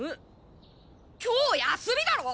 今日休みだろ！